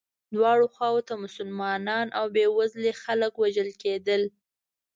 دواړو خواوو ته مسلمانان او بیوزلي خلک وژل کېدل.